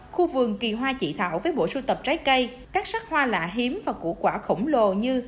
khu vườn kỳ hoa chỉ thảo với bộ sưu tập trái cây các sắc hoa lạ hiếm và củ quả khổng lồ như